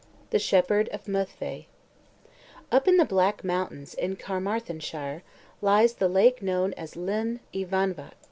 THE SHEPHERD OF MYDDVAI Up in the Black Mountains in Caermarthenshire lies the lake known as Lyn y Van Vach.